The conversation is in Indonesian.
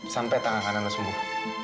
sampai tangan kanan lo sembuh